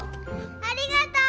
ありがとう！